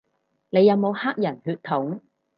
你有冇黑人血統